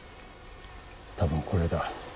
多分これだ。